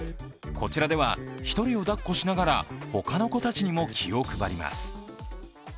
こちらでは、１人をだっこしながら他の子たちにも気を配ります。